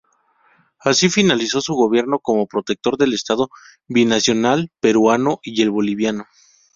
Así finalizó su gobierno como Protector del estado binacional peruano y el boliviano.